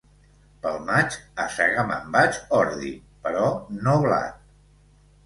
Pel maig, a segar me'n vaig ordi, però no blat.